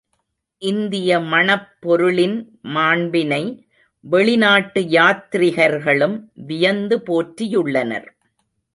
இந்திய மணப் பொருளின் மாண்பினை வெளிநாட்டு யாத்ரிகர்களும் வியந்து போற்றியுள்ளனர்.